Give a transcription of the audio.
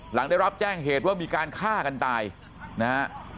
หลังได้รับแจ้งเหตุว่ามีการฆ่ากันตายนะฮะ